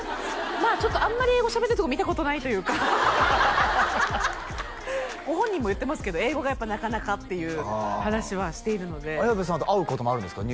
まあちょっとあんまり英語しゃべるとこ見たことないというかハハハハハご本人も言ってますけど英語がやっぱなかなかっていう話はしているので綾部さんと会うこともあるんですか？